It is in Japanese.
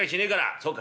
「そうか？